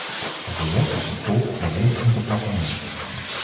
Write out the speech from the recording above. Op de weg is de tol vrijwillig, en geplafonneerd.